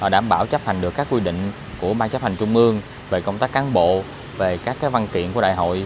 đảm bảo chấp hành được các quy định của ban chấp hành trung ương về công tác cán bộ về các văn kiện của đại hội